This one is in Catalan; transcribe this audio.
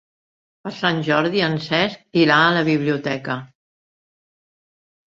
Per Sant Jordi en Cesc irà a la biblioteca.